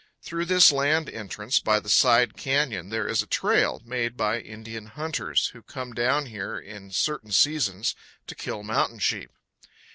Through this land entrance by the side canyon there is a trail made by Indian hunters, who come down here in certain seasons to kill mountain sheep.